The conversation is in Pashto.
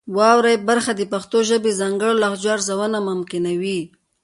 واورئ برخه د پښتو ژبې د ځانګړو لهجو ارزونه ممکنوي.